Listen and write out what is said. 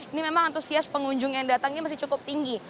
ini memang antusias pengunjung yang datang ini masih cukup tinggi